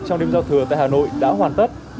trong đêm giao thừa tại hà nội đã hoàn tất